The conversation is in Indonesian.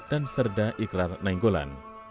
dan serda ikrar nainggolan